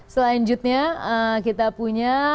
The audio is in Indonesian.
selanjutnya kita punya